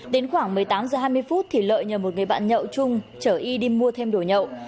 đến khoảng một mươi tám h hai mươi phút thì lợi nhờ một người bạn nhậu chung chở y đi mua thêm đồ nhậu